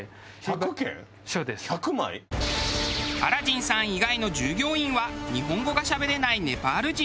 アラジンさん以外の従業員は日本語がしゃべれないネパール人。